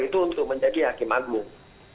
itu untuk menjadi hakim agung